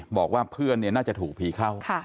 บอกว่าเพื่อนน่าจะถูกผีเข้า